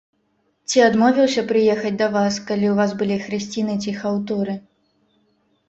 Ці адмовіўся прыехаць да вас, калі ў вас былі хрысціны ці хаўтуры?